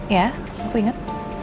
ya aku inget